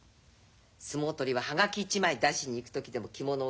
「相撲取りは葉書一枚出しに行く時でも着物を着ろ。